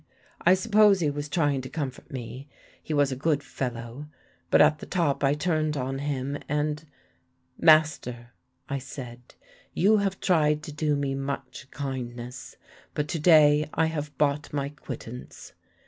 I suppose he was trying to comfort me he was a good fellow; but at the top I turned on him, and 'Master,' I said, 'you have tried to do me much kindness, but to day I have bought my quittance.'